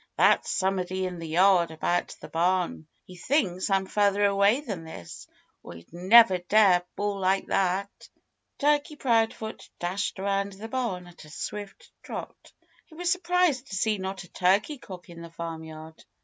"That's somebody in the yard, around the barn. He thinks I'm further away than this, or he'd never dare bawl like that." Turkey Proudfoot dashed around the barn at a swift trot. He was surprised to see not a turkey cock in the farmyard.